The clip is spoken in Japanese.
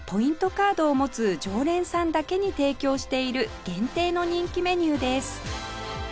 カードを持つ常連さんだけに提供している限定の人気メニューです